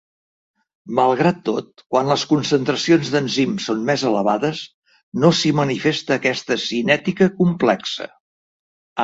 Malgrat tot, quan les concentracions d'enzims són més elevades, no s'hi manifesta aquesta cinètica complexa.